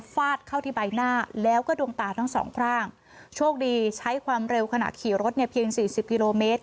ฟาดเข้าที่ใบหน้าแล้วก็ดวงตาทั้งสองข้างโชคดีใช้ความเร็วขณะขี่รถเนี่ยเพียงสี่สิบกิโลเมตร